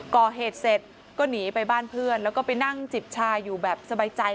ก่อเหตุเสร็จก็หนีไปบ้านเพื่อนแล้วก็ไปนั่งจิบชาอยู่แบบสบายใจ